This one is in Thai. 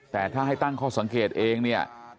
แต่ถ้าให้ตั้งข้อสังเกตเองเนี่ย